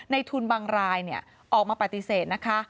ในทุนบางรายออกมาปฏิเสธนะคะ